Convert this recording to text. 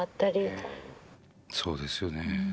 そうですよね。